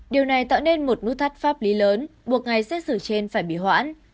điều này tạo nên một nút thắt pháp lý lớn buộc ngày xét xử trên phải bị hoãn